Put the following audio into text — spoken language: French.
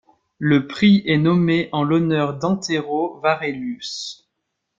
Le prix est nommé en l'honneur d'Antero Warelius.